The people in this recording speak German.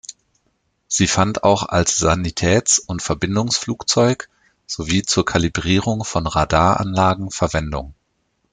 Sie fand auch als Sanitäts- und Verbindungsflugzeug sowie zur Kalibrierung von Radaranlagen Verwendung.